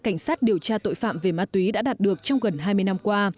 cảnh sát điều tra tội phạm về ma túy đã đạt được trong gần hai mươi năm qua